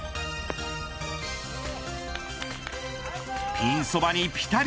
ピンそばに、ぴたり。